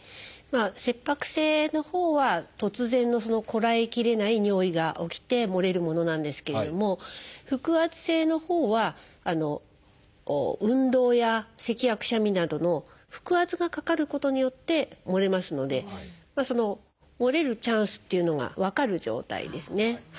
切迫性のほうは突然のこらえきれない尿意が起きてもれるものなんですけれども腹圧性のほうは運動やせきやくしゃみなどの腹圧がかかることによってもれますのでもれるチャンスというのが分かる状態ですね。